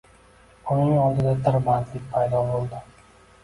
Uning oldida "tirbandlik" paydo bo'ldi